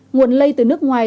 nguồn lây từ nước ngoài